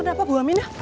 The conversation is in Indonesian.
kenapa bu aminah